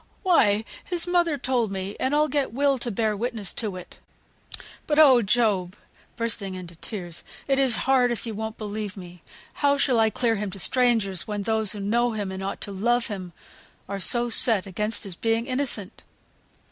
"Why! his mother told me, and I'll get Will to bear witness to it. But, oh! Job" (bursting into tears), "it is hard if you won't believe me. How shall I clear him to strangers, when those who know him, and ought to love him, are so set against his being innocent?"